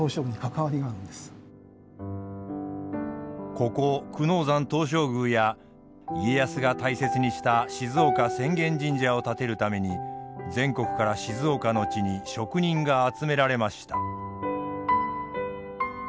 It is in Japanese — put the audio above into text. ここ久能山東照宮や家康が大切にした静岡浅間神社を建てるために全国から静岡の地に職人が集められました。